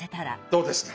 どうですか？